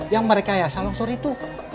yang mereka kaya salon sor itu